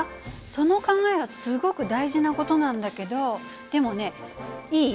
その考えはすごく大事な事なんだけどでもねいい？